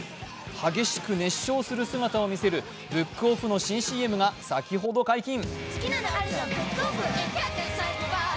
激しく熱唱する姿を見せるブックオフの新ＣＭが先ほど解禁。